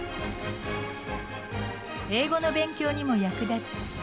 英語の勉強にも役立つ